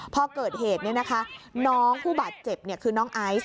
พอเกิดเหตุเนี่ยนะคะน้องผู้บาดเจ็บเนี่ยคือน้องไอซ์